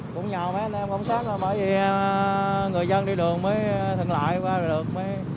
cũng nhờ mấy anh em ổng xác là bởi vì người dân đi đường mới thận lại qua được